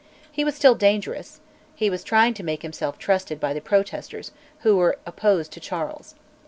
He was still dangerous; he was trying to make himself trusted by the Protesters, who were opposed to Charles.